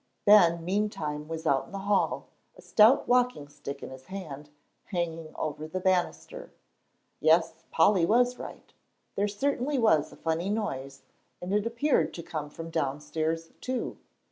Ben meantime was out in the hall, a stout walking stick in his hand, hanging over the banister. Yes, Polly was right, there certainly was a funny noise, and it appeared to come from downstairs, too.